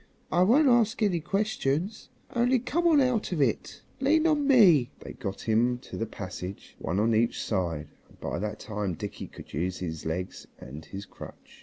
I won't ask any questions, only come along out of it. Lean on me." They got him up to the passage, one on each side, and by that time Dickie could use his legs and his crutch.